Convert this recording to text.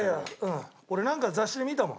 俺なんか雑誌で見たもん。